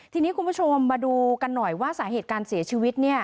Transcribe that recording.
ทีนี้คุณผู้ชมมาดูกันหน่อยว่าสาเหตุการเสียชีวิต